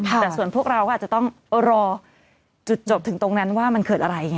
แต่ส่วนพวกเราก็อาจจะต้องรอจุดจบถึงตรงนั้นว่ามันเกิดอะไรไง